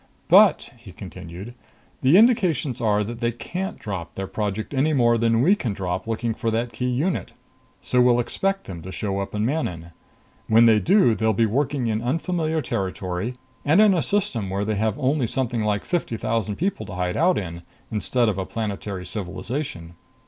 "But," he continued, "the indications are they can't drop their project any more than we can drop looking for that key unit. So we'll expect them to show up in Manon. When they do, they'll be working in unfamiliar territory and in a system where they have only something like fifty thousand people to hide out in, instead of a planetary civilization.